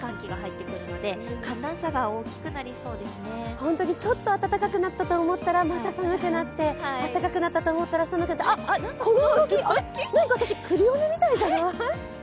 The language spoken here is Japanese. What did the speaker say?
本当にちょっと暖かくなったと思ったらまた寒くなって、暖かくなったと思ったら寒くなってこの動き、あれ、クリオネみたいじゃない？